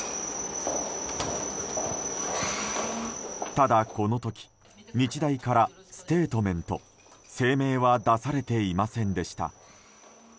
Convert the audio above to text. ただ、この時日大からステートメント・声明は出されていませんでした。